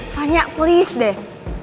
banyak please deh